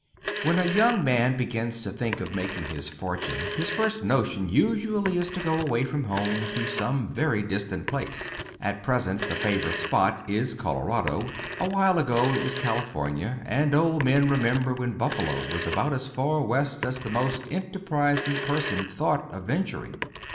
When a young man begins to think of making his fortune, his first notion usually is to go away from home to some very distant place. At present, the favorite spot is Colorado; awhile ago it was California; and old men remember when Buffalo was about as far west as the most enterprising person thought of venturing.